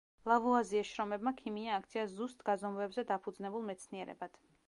ლავუაზიეს შრომებმა ქიმია აქცია ზუსტ გაზომვებზე დაფუძნებულ მეცნიერებად.